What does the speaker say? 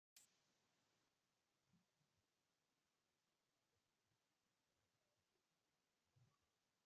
En la parte superior del jardín hay un área infantil.